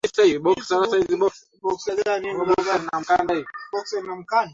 nchi nyingine zinazopokea wafungwa waliohukumiwa na ictr ni ufaransa